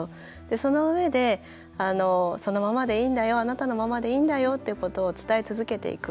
そのうえでそのままでいいんだよってあなたのままでいいんだよということを伝え続けていく。